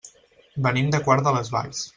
Venim de Quart de les Valls.